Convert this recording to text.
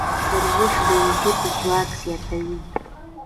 ورزش د وجود ځواک زیاتوي.